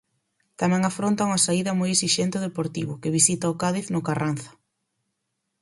Tamén afronta unha saída moi esixente o Deportivo, que visita o Cádiz no Carranza.